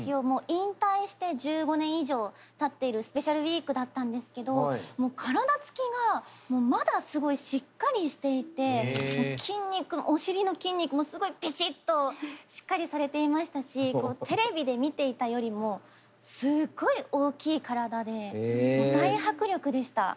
もう引退して１５年以上たっているスペシャルウィークだったんですけどもう体つきがもうまだすごいしっかりしていてもう筋肉お尻の筋肉もすごいビシッとしっかりされていましたしこうテレビで見ていたよりもすごい大きい体で大迫力でした。